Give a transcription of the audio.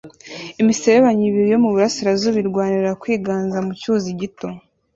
Imiserebanya ibiri yo mu burasirazuba irwanira kwiganza mu cyuzi gito